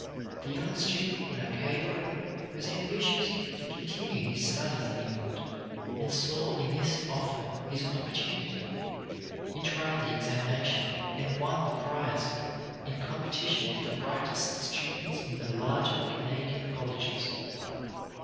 The young student in Acadia was ambitious to continue his studies in England, and saw in this offer his opportunity. He tried the examination and won the prize, in competition with the brightest students in the larger Canadian colleges.